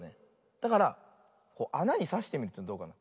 だからあなにさしてみるとどうかな。